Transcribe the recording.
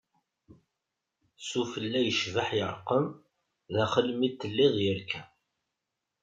S ufella yecbaḥ yerqem, daxel mi d-teldiḍ yerka.